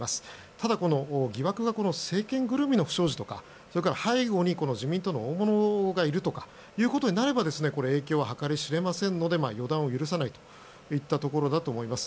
ただ、疑惑が政権ぐるみの不祥事とかそれから、背後に自民党の大物がいるとかとなれば影響は計り知れませんので予断を許さないといったところだと思います。